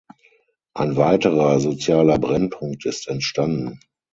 Ein weiterer sozialer Brennpunkt ist entstanden.